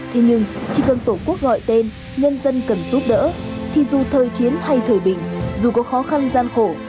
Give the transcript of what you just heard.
thế nhưng chỉ cần tổ quốc gọi tên nhân dân cần giúp đỡ thì dù thời chiến hay thời bình dù có khó khăn gian khổ